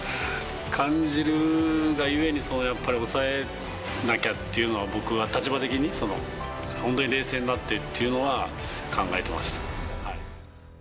感じるが故に、やっぱり抑えなきゃっていうのは、僕は立場的に、本当に冷静になってっていうのは考えてました。